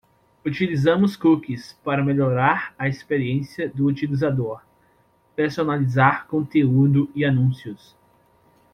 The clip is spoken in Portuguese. Utilizamos cookies para melhorar a experiência do utilizador, personalizar conteúdo e anúncios.